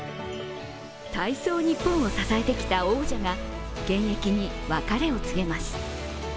体操ニッポンを支えてきた王者が現役に別れを告げます。